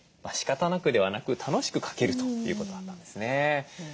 しかたなくではなく楽しく掛けるということだったんですね。